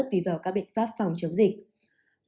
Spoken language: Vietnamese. tùy vào các biện pháp phòng chống dịch